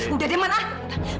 udah deh man